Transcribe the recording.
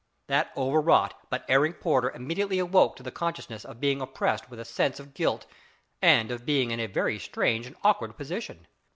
That over wrought but erring porter immediately awoke to the consciousness of being oppressed with a sense of guilt and of being in a very strange and awkward position.